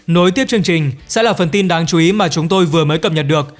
nối tiếp chương trình sẽ là phần tin đáng chú ý mà chúng tôi vừa mới cập nhật được